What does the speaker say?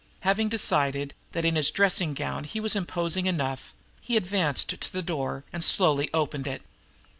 Having decided that, in his long dressing gown, he was imposing enough, he advanced to the door and slowly opened it.